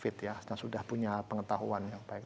karena dia sudah fit ya sudah punya pengetahuan yang baik